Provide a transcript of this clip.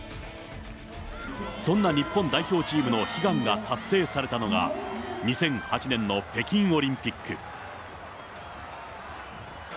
そんな日本代表チームの悲願が達成されたのが、２００８年の北京オリンピック。